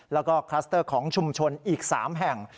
แล้วก็คลัสเตอร์ของชุมชนอีก๓แห่ง